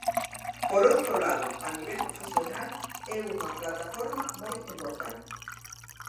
Por outro lado, a nivel profesional é unha plataforma moi importante.